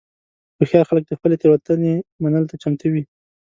هوښیار خلک د خپلې تېروتنې منلو ته چمتو وي.